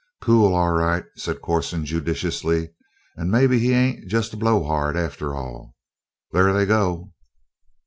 "Cool, all right," said Corson judicially. "And maybe he ain't just a blow hard, after all. There they go!"